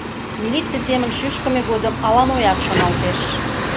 Милиций семын шӱшкымӧ годым ала-моат шоналтеш.